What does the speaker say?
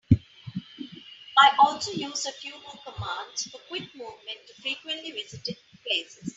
I also use a few more commands for quick movement to frequently visited places.